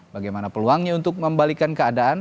bagaimana peluangnya untuk membalikan keadaan